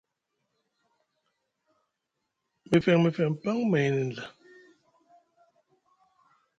Mefeŋ mefeŋ paŋ maini nɵa.